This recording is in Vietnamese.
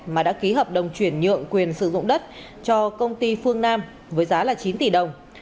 mà đã ký hợp đồng chuyển nhượng quyền sử dụng đất cho công ty phương nam với giá chín tỷ đồng